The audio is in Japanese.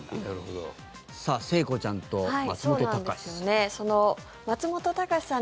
聖子ちゃんと松本隆さん。